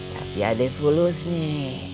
tapi ada yang fulusnya